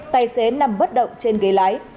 tài xế nằm bất động trên ghế lái